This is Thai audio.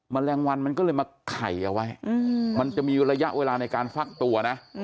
แมลงวันมันก็เลยมาไข่เอาไว้มันจะมีระยะเวลาในการฟักตัวนะ